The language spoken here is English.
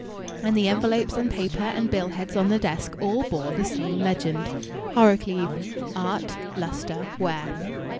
And the envelopes and paper and bill heads on the desk all bore the same legend: "Horrocleave. Art Lustre Ware."